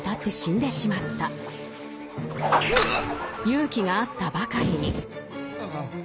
勇気があったばかりに。